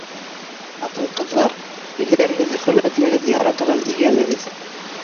Ҡатын-ҡыҙҙар, ирҙәрегеҙҙе хөрмәтләгеҙ, яратыҙыҙ, игәмәгеҙ.